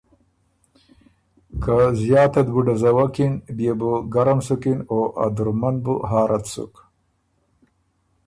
که زیاتت بُو ډزوکِن بيې بُو ګرُم سُکِن او ا دُرمه ن بُو هارت سُک،